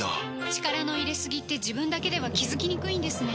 力の入れすぎって自分だけでは気付きにくいんですね